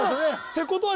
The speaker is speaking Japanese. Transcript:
「てことは？」